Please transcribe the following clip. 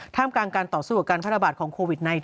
ท่ามกลางการต่อสู้กับการแพร่ระบาดของโควิด๑๙